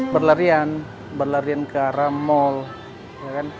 berlarian berlarian ke arah mall